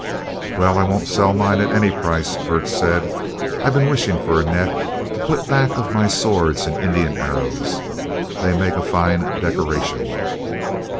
"Well, I won't sell mine at any price," Bert said. "I've been wishing for a net to put back of my swords and Indian arrows. They make a fine decoration."